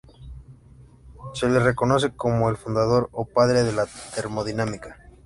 Se le reconoce hoy como el fundador o padre de la termodinámica.